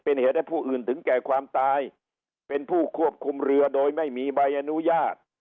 เป็นเหตุให้ผู้อื่นถึงแก่ความตายเป็นผู้ควบคุมเรือโดยไม่มีใบอนุญาต